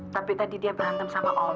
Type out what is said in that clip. tapi tadi dia berantem sama om